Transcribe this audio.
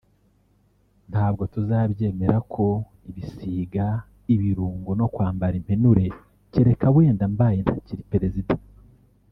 ntabwo tuzabyemera ko bisiga ibirungo no kwambara impenure kereka wenda mbaye ntakiri perezida